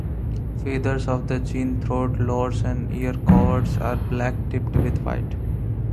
The feathers of the chin, throat, lores and ear-coverts are black tipped with white.